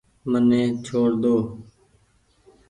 مني ڇوڙ ۮو۔